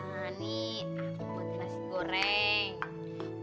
ah nih aku makan nasi goreng